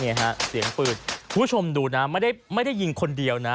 ฮะเสียงปืนคุณผู้ชมดูนะไม่ได้ยิงคนเดียวนะ